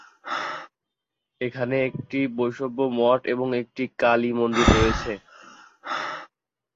এখানে একটি বৈষ্ণব মঠ ও একটি কালী মন্দির রয়েছে।